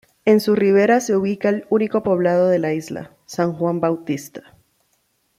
En su ribera se ubica el único poblado de la isla, San Juan Bautista.